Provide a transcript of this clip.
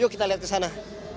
yuk kita lihat ke sana